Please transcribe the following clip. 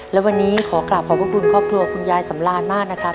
และวันนี้ขอกลับขอบพระคุณครอบครัวคุณยายสำราญมากนะครับ